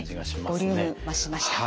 ボリューム増しました。